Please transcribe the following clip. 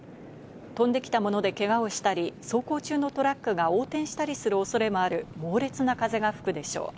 飛んできた物でけがをしたり、走行中のトラックが横転したりする恐れもある猛烈な風が吹くでしょう。